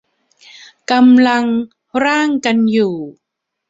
กำลังร่างกันอยู่